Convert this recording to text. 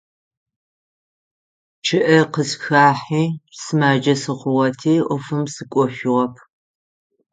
ЧъыӀэ къысхэхьи, сымаджэ сыхъугъэти Ӏофым сыкӀошъугъэп.